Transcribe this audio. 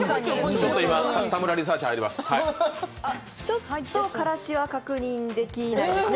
ちょっと辛子は確認できないですね。